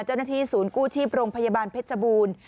เจ้าหน้าที่ศูนย์กู้ชีพโรงพยาบาลเพชรบูรณ์